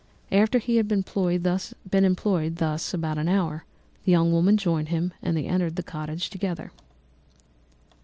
After he had been employed thus about an hour, the young woman joined him and they entered the cottage together.